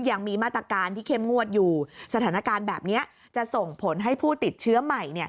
ยังมีมาตรการที่เข้มงวดอยู่สถานการณ์แบบนี้จะส่งผลให้ผู้ติดเชื้อใหม่